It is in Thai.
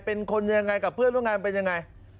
เป็นคนยังไงกับเพื่อนร่วมงานเป็นยังไง